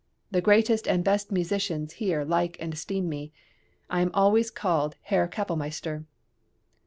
The greatest and best musicians here like and esteem me. I am always called Herr Kapellmeister.